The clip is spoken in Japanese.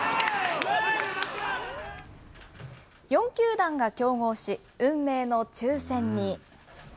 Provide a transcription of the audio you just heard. ４球団が競合し、運命の抽せんに。